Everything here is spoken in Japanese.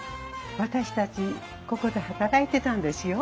私たちここで働いてたんですよ。